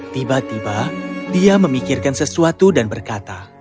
tiba tiba dia memikirkan sesuatu dan berkata